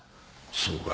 そうか。